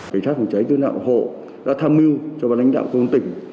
cảnh sát phòng chế chữa nạn cứu hộ đã tham mưu cho bà lãnh đạo công tỉnh